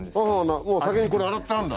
先にこれ洗ってあるんだ。